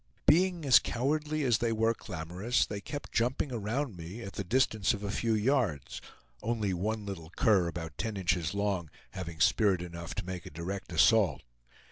Being as cowardly as they were clamorous, they kept jumping around me at the distance of a few yards, only one little cur, about ten inches long, having spirit enough to make a direct assault.